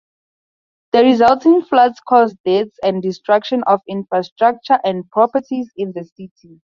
The resulting floods caused deaths and destruction of infrastructure and properties in the city.